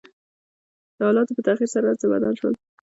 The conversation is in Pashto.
د حالاتو په تغير سره هر څه بدل شول .